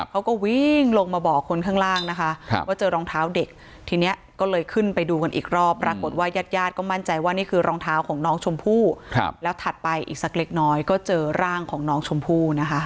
เขาก็วิ่งลงมาบอกคนข้างล่างนะคะว่าเจอรองเท้าเด็กทีนี้ก็เลยขึ้นไปดูกันอีกรอบปรากฏว่าญาติญาติก็มั่นใจว่านี่คือรองเท้าของน้องชมพู่แล้วถัดไปอีกสักเล็กน้อยก็เจอร่างของน้องชมพู่นะคะ